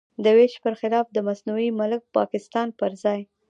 د وېش پر خلاف د مصنوعي ملک پاکستان پر ځای.